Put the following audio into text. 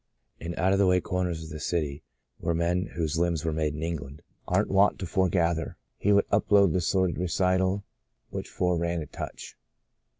In out of the way corners of the city where men " whose limbs were made in England " 140 The Blossoming Desert are wont to foregather, he would unload the sordid recital which foreran a touch.